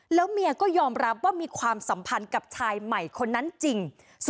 แล้วเมียก็ยอมรับว่ามีความสัมพันธ์กับชายใหม่คนนั้นจริง